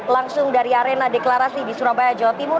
langsung dari arena deklarasi di surabaya jawa timur